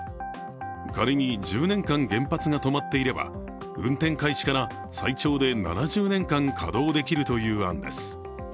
仮に１０年間原発が止まっていれば運転開始から最長で７０年間稼働できるという案です。